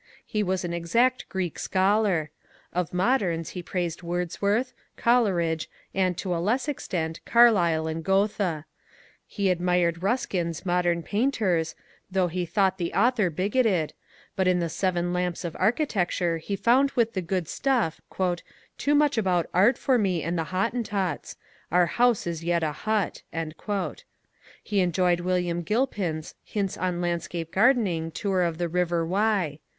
He was an exact Greek scholar. Of modems he praised Wordsworth, Coleridge, and, to a less extent, Carlyle and Gt>ethe. He ad mired Euskin's " Modem Painters," though he thought the author bigoted, but in the "Seven Lamps of Architecture" THOREAU 143 he found with the good stuff ^' too much about art for me and the Hottentots. Our house is yet a hut." He enjoyed Wil liam Gilpin's ^' Hints on Landscape Gardening : Tour of the Siver Wye."